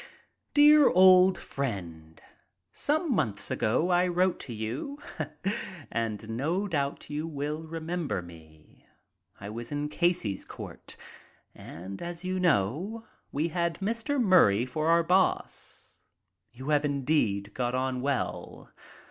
" Dear Old Friend, — Some months ago I wrote to you and no doubt you will remember me. I was in 'Casey's court,' and, as you know, we had Mr. Murray for our boss. You have indeed got on well.